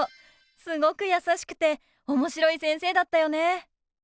すごく優しくておもしろい先生だったよね。